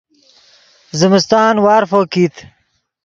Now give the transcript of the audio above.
زمستان وارفو کیت